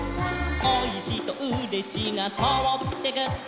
「おいしいとうれしいがとおってく」